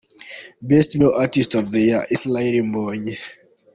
Best Male artist of the year: Israel Mbonyi.